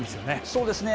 そうですね。